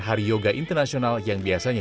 hari yoga internasional yang biasanya